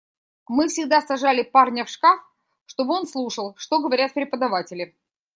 Мы всегда сажали парня в шкаф, чтобы он слушал, что говорят преподаватели.